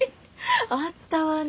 あったわね